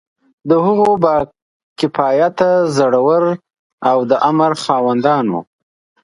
د هغو با کفایته، زړه ور او د امر خاوندانو.